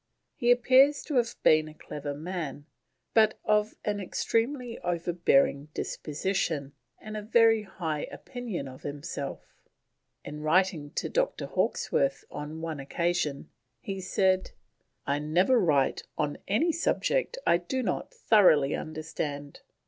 He appears to have been a clever man, but of an extremely overbearing disposition and a very high opinion of himself. In writing to Dr. Hawkesworth on one occasion, he said: "I never write on any subject I do not thoroughly understand."